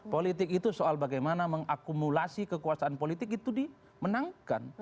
politik itu soal bagaimana mengakumulasi kekuasaan politik itu dimenangkan